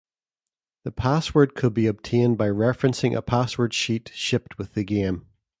The password could be obtained by referencing a password sheet shipped with the game.